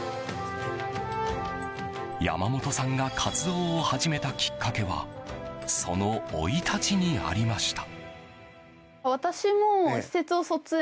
山本さんが活動を始めたきっかけはその生い立ちにありました。